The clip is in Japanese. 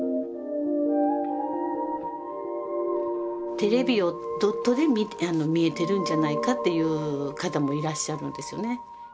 テレビをドットで見えてるんじゃないかって言う方もいらっしゃるんですよね。